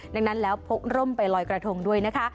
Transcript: ดังนั้นแล้วพกร่มไปลอยกระทงด้วยนะคะ